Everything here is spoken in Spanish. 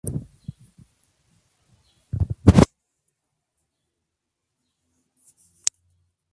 Desde entonces, las dos aldeas se han integrado completamente y forman una sola aldea.